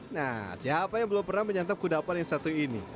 nah siapa yang belum pernah menyantap kudapan yang satu ini